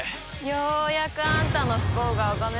ようやくあんたの不幸が拝めそうね。